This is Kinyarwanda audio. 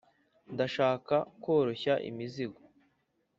ndashaka koroshya imizigo